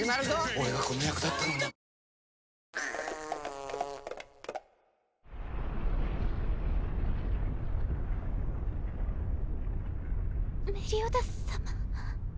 俺がこの役だったのにメリオダス様。